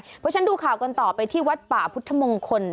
เพราะฉะนั้นดูข่าวกันต่อไปที่วัดป่าพุทธมงคล